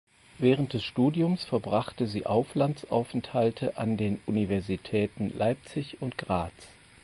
Während des Studiums verbrachte sie Auslandsaufenthalte an den Universitäten Leipzig und Graz.